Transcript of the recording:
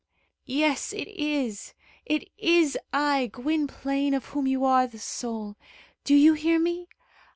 "Yes, it is! It is I, Gwynplaine, of whom you are the soul. Do you hear me?